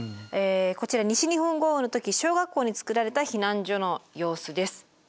こちら西日本豪雨の時小学校に作られた避難所の様子です。